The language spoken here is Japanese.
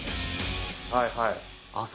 はいはい